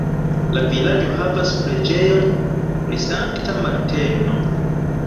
La vilaĝo havas preĝejon pri Sankta Marteno.